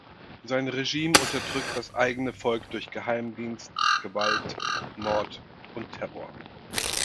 Sein Regime unterdrückt das eigene Volk durch Geheimdienst, Gewalt, Mord und Terror.